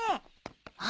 あっ！